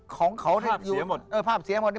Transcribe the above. ของเขาภาพเสียหมด